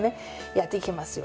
やっていきますよ。